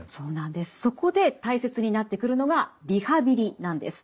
そこで大切になってくるのがリハビリなんです。